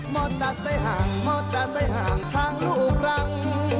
มอเตอร์ใส่ห่างมอเตอร์ใส่ห่างทางลูกรัง